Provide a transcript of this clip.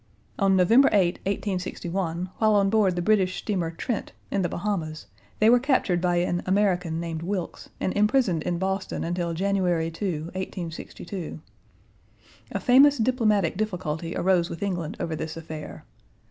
On November 8, 1861, while on board the British steamer Trent, in the Bahamas, they were captured by an American named Wilkes, and imprisoned in Boston until January 2, 1862. A famous diplomatic difficulty arose with England over this affair.